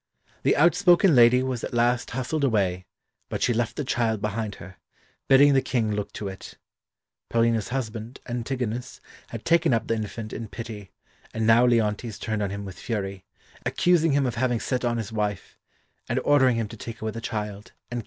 The outspoken lady was at last hustled away, but she left the child behind her, bidding the King look to it. Paulina's husband, Antigonus, had taken up the infant in pity, and now Leontes turned on him with fury, accusing him of having set on his wife, and ordering him to take away the child and kill it.